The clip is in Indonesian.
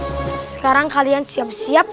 sekarang kalian siap siap